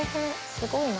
すごいな。